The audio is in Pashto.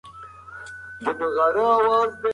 کم خوب د پرېکړې توان کموي.